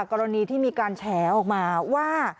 กรณีที่มีการแฉออกมาว่า